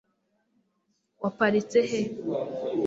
waparitse he